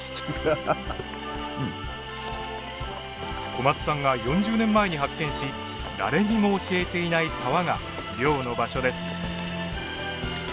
小松さんが４０年前に発見し誰にも教えていない沢が漁の場所です。